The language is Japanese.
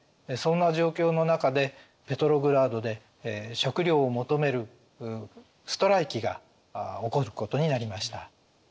そんな状況の中でペトログラードで食糧を求めるストライキが起こることになりました。